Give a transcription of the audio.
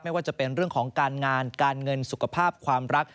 ว่าจะเป็นเรื่องของการงานการเงินสุขภาพความรัก